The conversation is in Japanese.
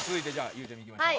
ゆうちゃみいきましょう。